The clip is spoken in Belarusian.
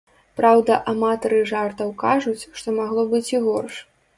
Праўда, аматары жартаў кажуць, што магло быць і горш.